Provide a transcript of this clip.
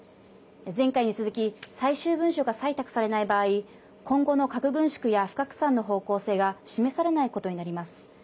前回に続き最終文書が採択されない場合今後の核軍縮や不拡散の方向性が示されないことになります。